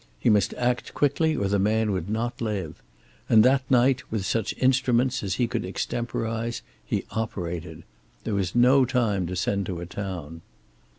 He must act quickly or the man would not live. And that night, with such instruments as he could extemporize, he operated. There was no time to send to a town.